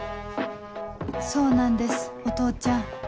そうなんですお父ちゃん